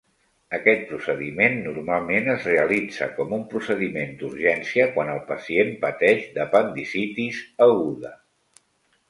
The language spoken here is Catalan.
Aquest procediment normalment es realitza com un procediment d'urgència, quan el pacient pateix d'apendicitis aguda.